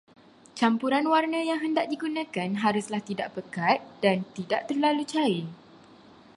Campuran warna yang hendak digunakan haruslah tidak pekat dan tidak terlalu cair.